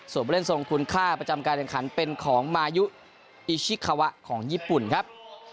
ส่วนผู้เล่นทรงคุณค่าประจำการแข่งขันเป็นของมายุอิชิคาวะของญี่ปุ่นครับ